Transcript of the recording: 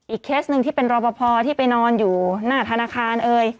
อีกเคสหนึ่งที่เป็นรอบพอที่ไปนอนอยู่หน้าธนาคาร